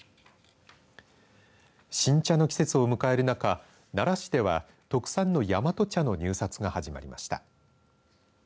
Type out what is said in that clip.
新茶の季節を迎えるなか奈良市では特産の大和茶の入札が始まりました。